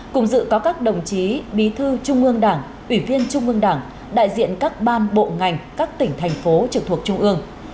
cùng dự có các đồng chí bí thư trung ương đảng ủy viên trung ương đảng đại diện các ban bộ ngành các tỉnh thành phố trực thuộc trung ương